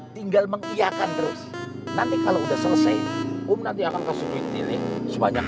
tinggal mengiyakan terus nanti kalau udah selesai om nanti akan kesepik tilly sebanyak lima ratus